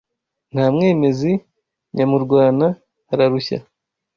Nta mwemezi, Nyamurwana ararushya